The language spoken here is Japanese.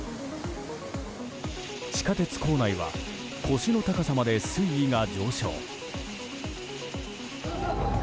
地下鉄構内は腰の高さまで水位が上昇。